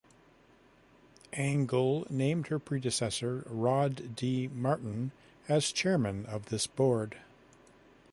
Angle named her predecessor, Rod D. Martin, as chairman of this board.